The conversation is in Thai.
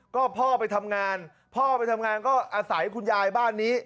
ก็พ่อไปทำงานพ่อไปทำงานก็อาศัยคุณยายบ้านนี้